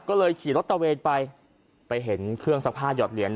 ก็เลยขี่รถตะเวนไปไปเห็นเครื่องซักผ้าหยอดเหรียญ